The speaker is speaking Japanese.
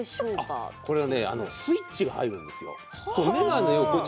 外すとスイッチが入るんです。